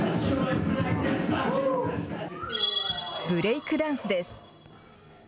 ブレイクダンスです。